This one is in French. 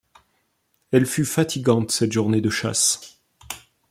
Elle fut fatigante, cette journée de chasse!